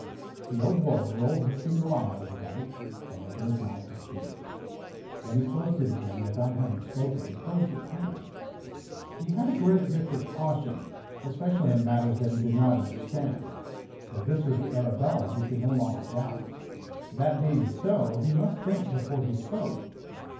The Old Wolf rolled his single eye over Dyke, and opened his mouth to speak. Then he closed it again without having spoken; closed it tightly. He had a great gift of caution, especially in matters that he did not understand. That this was the Arabella he could no longer doubt. That being so, he must think before he spoke.